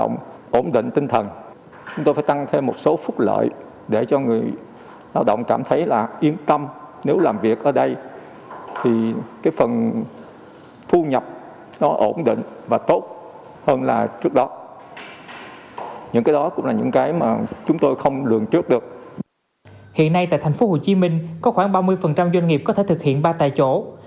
góp rút lợi ăn ở cho người lao động dẫn đến hàng loạt các chi phí phát sinh